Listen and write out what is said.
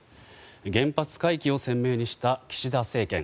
原発回帰を鮮明にした岸田政権。